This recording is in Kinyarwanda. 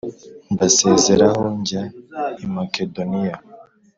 mbasezeraho njya i Makedoniya